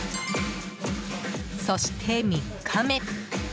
そして３日目。